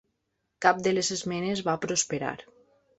Cap de les esmenes va prosperar.